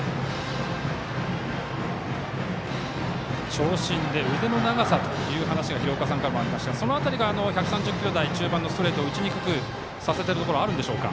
長身で腕の長さという話が廣岡さんからもありましたがその辺りが１３０キロ台中盤のストレートを打ちにくくさせているところがあるんでしょうか？